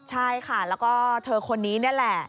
ใช่ค่ะแล้วก็เธอคนนี้นี่แหละ